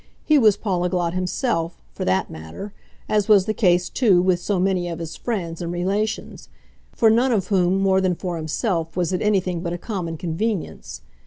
He was polyglot himself, for that matter as was the case too with so many of his friends and relations; for none of whom, more than for himself, was it anything but a common convenience.